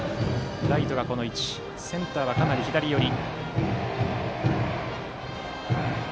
センター、かなり左寄り。